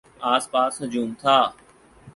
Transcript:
آس پاس ہجوم تھا۔